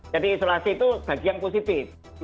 jadi isolasi itu bagian positif